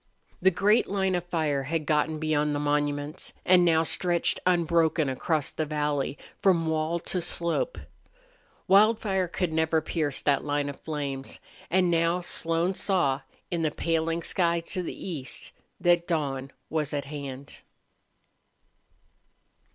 The great line of fire had gotten beyond the monuments and now stretched unbroken across the valley from wall to slope. Wildfire could never pierce that line of flames. And now Slone saw, in the paling sky to the east, that dawn was at hand.